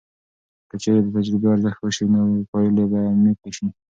که چیرې د تجربو ارزونه وسي، نو پایلې به عمیقې سي.